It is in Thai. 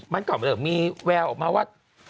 มันก็ออกมาเลยมีแววออกมาว่า